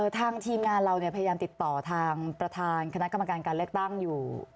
ทางทีมงานเราพยายามติดต่อทางประธานคณะกรรมการการเลือกตั้งอยู่